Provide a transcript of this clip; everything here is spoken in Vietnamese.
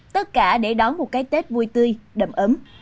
tất cả để đón một cái tết vui tươi đầm ấm